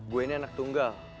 gue ini anak tunggal